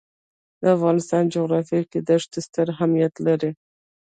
د افغانستان جغرافیه کې ښتې ستر اهمیت لري.